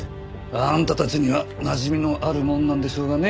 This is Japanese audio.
あんたたちにはなじみのあるものなんでしょうがね。